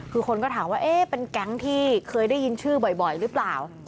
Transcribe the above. คือคนก็ถามว่าเอ๊ะเป็นแก๊งที่เคยได้ยินชื่อบ่อยหรือเปล่า